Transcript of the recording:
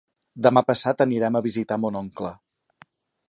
Demà passat anirem a visitar mon oncle.